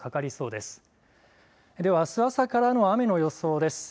ではあす朝からの雨の予想です。